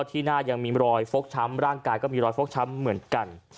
ที่หน้ายังมีรอยฟกช้ำร่างกายก็มีรอยฟกช้ำเหมือนกัน